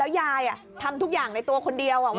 แล้วยายทำทุกอย่างในตัวคนเดียววันนั้น